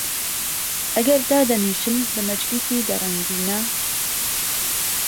ئهگەر دادهنیشن له مهجلیسی دە رەنگینه